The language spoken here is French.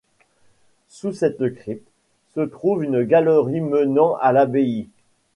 Sous cette crypte, se trouve une galerie menant à l'abbaye.